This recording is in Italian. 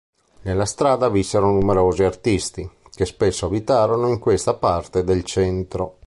Nella strada vissero numerosi artisti, che spesso abitarono in questa parte del centro.